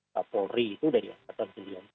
katori itu dari angkatan sembilan puluh empat